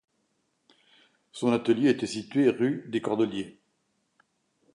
Son atelier était situé rue des Cordeliers.